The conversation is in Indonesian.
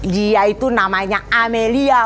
dia itu namanya amelia